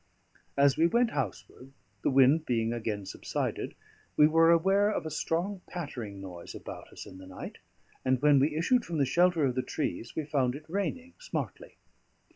As we went houseward, the wind being again subsided, we were aware of a strong pattering noise about us in the night; and when we issued from the shelter of the trees, we found it raining smartly.